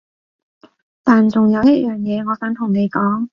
但仲有一樣嘢我想同你講